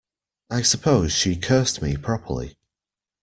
I suppose she cursed me properly?